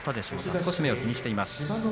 少し目を気にしています。